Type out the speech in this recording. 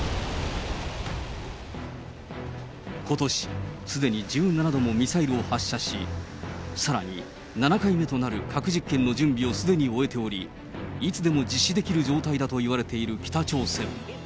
ことし、すでに１７度もミサイルを発射し、さらに７回目となる核実験の準備をすでに終えており、いつでも実施できる状態であるという北朝鮮。